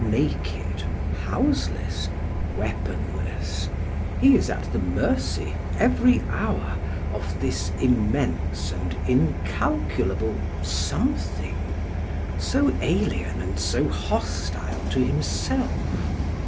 Naked, houseless, weaponless, he is at the mercy, every hour, of this immense and incalculable Something so alien and so hostile to himself.